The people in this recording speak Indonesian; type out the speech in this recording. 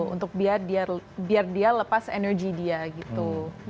untuk biar dia lepas energi dia gitu